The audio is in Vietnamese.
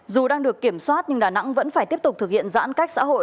dù đang được kiểm soát nhưng đà nẵng vẫn phải tiếp tục thực hiện giãn cách xã hội